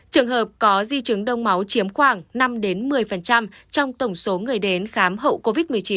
trường hợp có di chứng đông máu chiếm khoảng năm một mươi trong tổng số người đến khám hậu covid một mươi chín